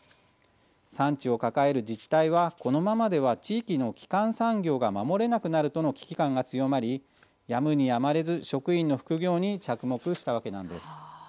産地を抱える自治体はこのままでは地域の基幹産業が守れなくなるとの危機感が強まりやむにやまれず職員の副業に着目したわけなんです。